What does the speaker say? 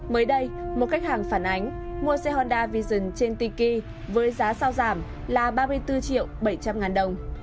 mới đây một khách hàng phản ánh mua xe honda vision trên tiki với giá sau giảm là ba mươi bốn triệu bảy trăm linh ngàn đồng